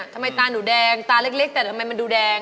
ตาหนูแดงตาเล็กแต่ทำไมมันดูแดง